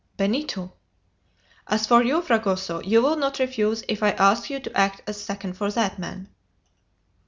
"Benito!" "As for you, Fragoso, you will not refuse if I ask you to act as second for that man?"